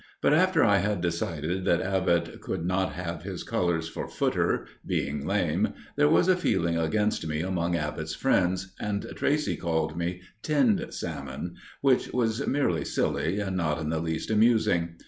But after I had decided that Abbott could not have his colours for "footer," being lame, there was a feeling against me among Abbott's friends, and Tracey called me "Tinned Salmon," which was merely silly and not in the least amusing.